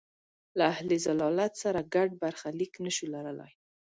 له اهل ضلالت سره ګډ برخلیک نه شو لرلای.